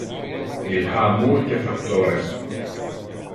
Il ha multe factores.